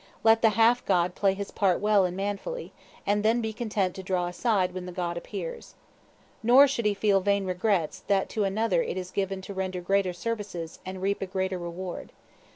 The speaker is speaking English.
Let the half god play his part well and manfully, and then be content to draw aside when the god appears. Nor should he feel vain regrets that to another it is given to render greater services and reap a greater reward.